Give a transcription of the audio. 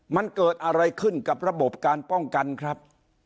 มันเกิดอะไรขึ้นกับระบบการป้องกันครับ